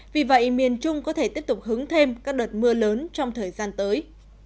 vì vậy miền trung có thể tiếp tục hứng thêm các đợt mưa lớn trong thời gian tới